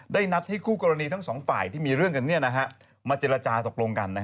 นัดให้คู่กรณีทั้งสองฝ่ายที่มีเรื่องกันมาเจรจาตกลงกัน